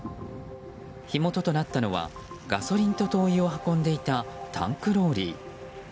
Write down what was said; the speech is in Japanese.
火元となったのはガソリンと灯油を運んでいたタンクローリー。